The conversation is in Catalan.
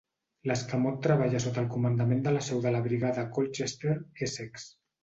L'escamot treballa sota el comandament de la seu de la Brigada a Colchester, Essex.